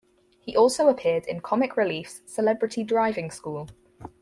He also appeared in Comic Relief's "Celebrity Driving School".